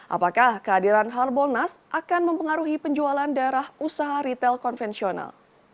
apakah kehadiran harbolnas akan mempengaruhi penjualan daerah usaha retail konvensional